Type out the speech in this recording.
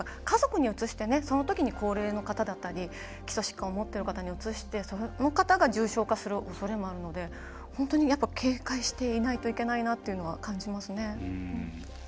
家族にうつしてそのときに高齢の方だったり基礎疾患を持っている方にうつしてその方が重症化するおそれもあるので本当に警戒していないといけないなとは感じますね。